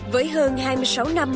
với hơn hai mươi sáu năm